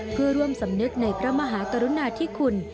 เพื่อร่วมสำนึกในพระมหากรุณาธิคุณ